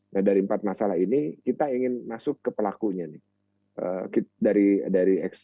nah dari empat masalah ini kita ingin masuk ke pelakunya nih